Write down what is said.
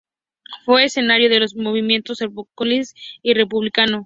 Fue escenario de los Movimientos Abolicionista y Republicano.